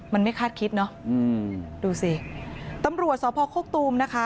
มันไม่คาดคิดเนอะอืมดูสิตำรวจสพโคกตูมนะคะ